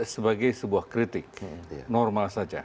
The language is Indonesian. sebagai sebuah kritik normal saja